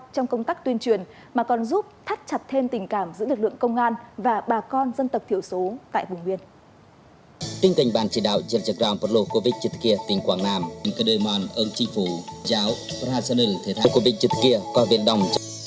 trong công tác tuyên truyền mà còn giúp thắt chặt thêm tình cảm giữa lực lượng công an và bà con dân tộc thiểu số tại vùng biên